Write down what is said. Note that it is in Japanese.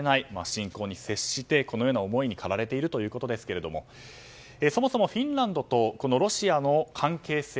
侵攻に接して、このような思いに駆られているということですがそもそもフィンランドとロシアの関係性